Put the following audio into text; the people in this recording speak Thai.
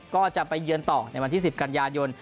ก็จะไปเยือนต่อในวันที่๑๐กันยายน